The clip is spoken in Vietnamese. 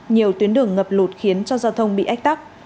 nhiều tuyến đường ngập lụt khiến cho giao thông bị ách tắc